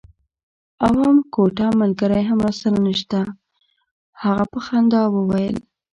او هم کوټه ملګری هم راسره نشته. هغه په خندا وویل.